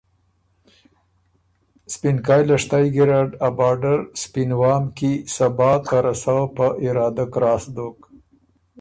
سپینکئ لشتئ ګیرډ ا باډر سپین وام کی صبا ته رسؤ په ارادۀ کراس دوک،